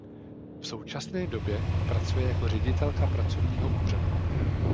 V současné době pracuje jako ředitelka pracovního úřadu.